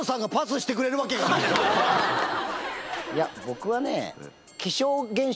いや僕はね。